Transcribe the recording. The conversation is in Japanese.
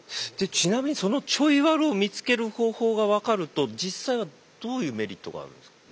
ちなみにそのちょいワルを見つける方法が分かると実際はどういうメリットがあるんですか？